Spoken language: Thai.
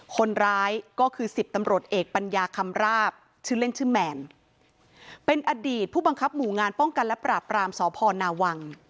คนร้ายก็คือสิบตำรวจเอกปัญญาคำราบชื่อเล่นชื่อแมนเป็นอดีตผู้บังคับหมู่งานป้องกันและปราบรามสพนาวัง